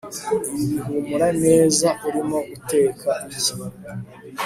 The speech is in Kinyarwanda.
Ibi bihumura neza Urimo guteka iki